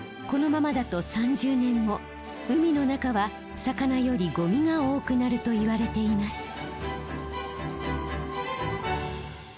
このままだと３０年後海の中は魚よりゴミが多くなるといわれています。